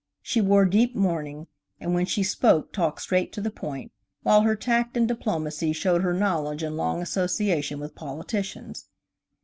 She wore deep mourning, and when she spoke talked straight to the point, while her tact and diplomacy showed her knowledge and long association with politicians.